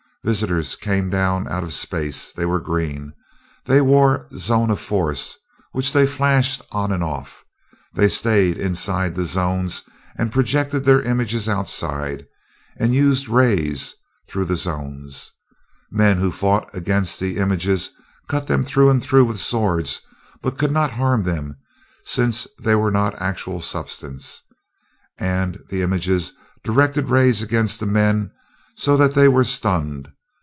"Visitors came down out of space. They were green. They wore zones of force, which they flashed on and off. They stayed inside the zones and projected their images outside, and used rays through the zones. Men who fought against the images cut them through and through with swords, but could not harm them since they were not actual substance; and the images directed rays against the men so that they were stunned.